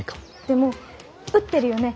でも売ってるよね